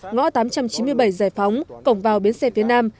ngõ tám trăm chín mươi bảy giải phóng cổng vào biến xe phía nam